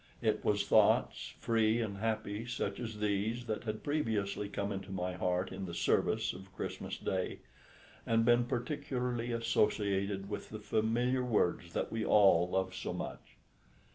It was thoughts free and happy such as these that had previously come into my heart in the service of Christmas Day, and been particularly associated with the familiar words that we all love so much.